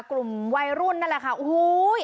กลมวัยรุ่นนั่นละค่ะอุ้โหย